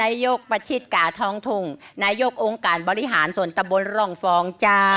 นายกประชิดกาทองทงนายกองค์การบริหารส่วนตะบนร่องฟองจ้า